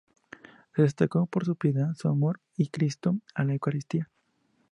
Se destacó por su piedad, su amor a Cristo y la Eucaristía.